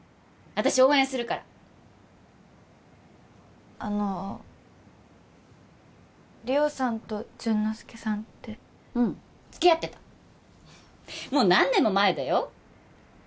私応援するからあの理緒さんと潤之介さんってうん付き合ってたもう何年も前だよ